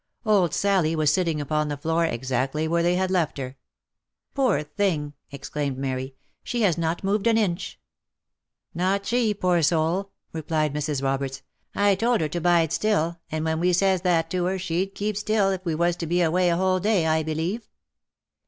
Old Sally was sitting upon the floor exactly where they had left her. " Poor thing !" exclaimed Mary, " she has not moved an inch." " Not she, poor soul," replied Mrs. Roberts, " I told her to bide still, and when we says that to her, she'd keep still, if Ave was to be away a whole day, I believe.